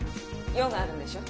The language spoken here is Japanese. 用があるんでしょ？